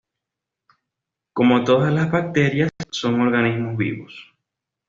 Como todas las bacterias, son organismos vivos.